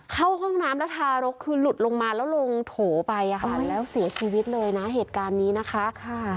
เข้าห้องน้ำแล้วทารกคือหลุดลงมาแล้วลงโถไปอะค่ะแล้วเสียชีวิตเลยนะเหตุการณ์นี้นะคะ